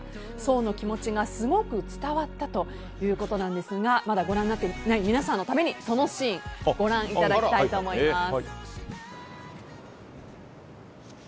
想の気持ちがすごく伝わったということなんですがまだご覧になっていない皆さんのために、そのシーンをご覧いただきたいと思います。